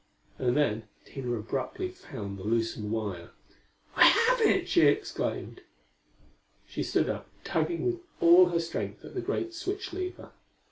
And then Tina abruptly found the loosened wire. "I have it!" she exclaimed. She stood up, tugging with all her strength at the great switch lever.